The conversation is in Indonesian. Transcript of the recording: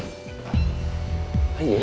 ini aku bisa melepaskan